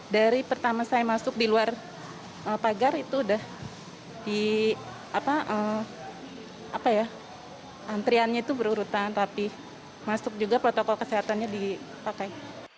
dari pertama saya masuk di luar pagar itu udah di antriannya itu berurutan tapi masuk juga protokol kesehatannya dipakai